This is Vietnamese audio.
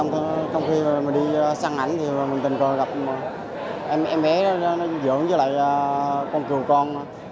trong khi mình đi săn ảnh thì mình tình cờ gặp em bé dưỡng với lại con cừu con